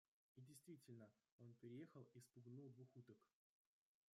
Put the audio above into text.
И действительно, он переехал и вспугнул двух уток.